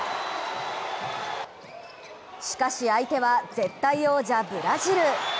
しかし相手は絶対王者・ブラジル。